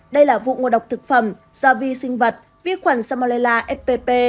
đây là vụ ngô độc thực phẩm do vi sinh vật vi khuẩn samolella spp